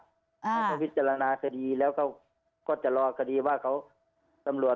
เขาวิจารณาคดีแล้วเขาก็จะรอคดีว่าเขา